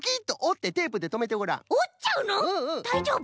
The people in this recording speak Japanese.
だいじょうぶ？